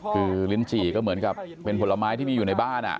คือลิ้นจี่ก็เหมือนกับเป็นผลไม้ที่มีอยู่ในบ้าน